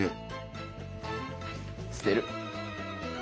捨てる！